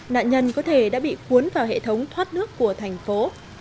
nạn nhân có thể đã bị cuốn vào hệ thống thoát nước của thành phố